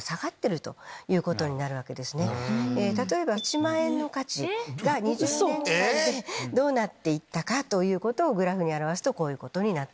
例えば１万円の価値が２０年間でどうなっていったかということをグラフに表すとこうなります。